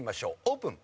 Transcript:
オープン！